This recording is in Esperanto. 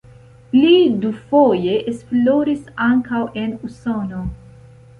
Li dufoje esploris ankaŭ en Usono.